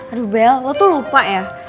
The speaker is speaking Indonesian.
aduh bell lo tuh lupa ya